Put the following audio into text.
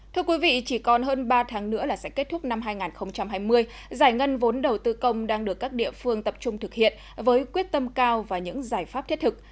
thưa quý vị chỉ còn hơn ba tháng nữa là sẽ kết thúc năm hai nghìn hai mươi giải ngân vốn đầu tư công đang được các địa phương tập trung thực hiện với quyết tâm cao và những giải pháp thiết thực